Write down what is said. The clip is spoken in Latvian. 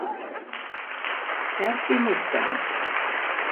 Tēvs bija muzikants.